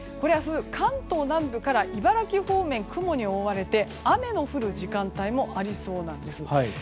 明日、関東南部から茨城方面雲に覆われて雨の降る時間帯もありそうなんです。